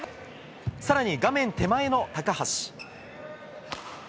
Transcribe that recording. さらに画面手前の高橋。